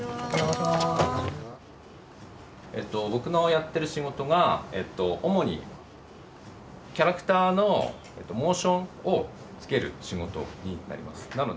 えっと僕のやってる仕事が主にキャラクターのモーションをつける仕事になります。